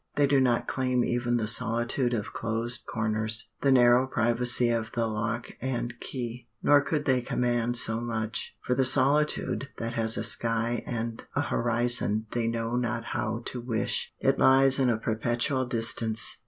They do not claim even the solitude of closed corners, the narrow privacy of the lock and key; nor could they command so much. For the solitude that has a sky and a horizon they know not how to wish. It lies in a perpetual distance.